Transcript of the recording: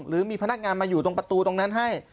หรือมีพนักงานมาอยู่ตรงประตูตรงนั้นให้